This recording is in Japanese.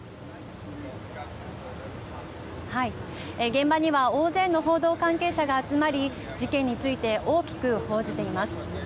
現場には大勢の報道関係者が集まり事件について大きく報じています。